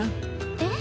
えっ？